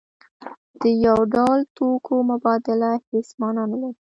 د یو ډول توکو مبادله هیڅ مانا نلري.